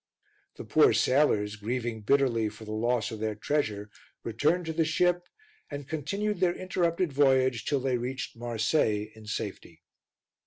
The poor sailors, grieving bitterly for the loss of their treasure, returned to the ship and continued their interrupted voyage till they reached Marseilles in safety.